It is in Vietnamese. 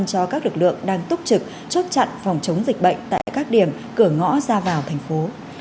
cho các lực lượng đang túc trực chốt chặn phòng chống dịch bệnh tại các điểm cửa ngõ ra vào thành phố